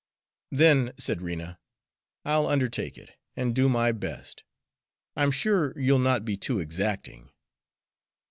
"Then," said Rena, "I'll undertake it, and do my best. I'm sure you'll not be too exacting."